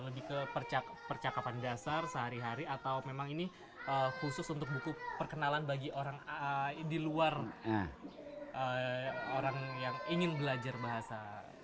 lebih ke percakapan dasar sehari hari atau memang ini khusus untuk buku perkenalan bagi orang di luar orang yang ingin belajar bahasa